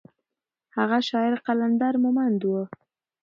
هغه شاعر قلندر مومند و.